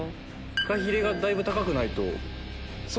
フカヒレがだいぶ高くないと。